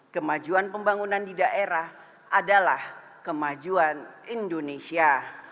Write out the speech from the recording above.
kemajuan pembangunan di daerah adalah kemajuan indonesia